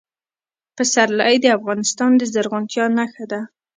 پسرلی د افغانستان د زرغونتیا نښه ده.